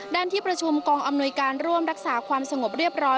ที่ประชุมกองอำนวยการร่วมรักษาความสงบเรียบร้อย